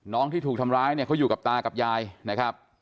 น้องที่ถูกทำร้ายเขาอยู่กับตากับยายนะครับ